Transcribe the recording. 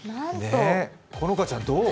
好花ちゃん、どう？